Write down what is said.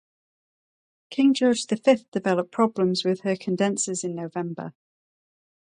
"King George the Fifth" developed problems with her condensers in November.